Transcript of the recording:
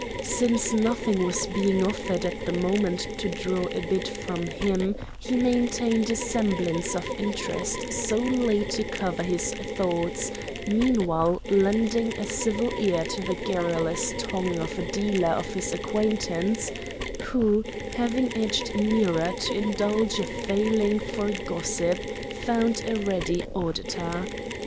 Since nothing was being offered at the moment to draw a bid from him, he maintained a semblance of interest solely to cover his thoughts, meanwhile lending a civil ear to the garrulous tongue of a dealer of his acquaintance who, having edged nearer to indulge a failing for gossip, found a ready auditor.